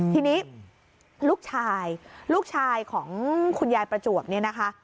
ทีนี้ลูกชายลูกชายของคุณยายประจวบเนี่ยนะคะ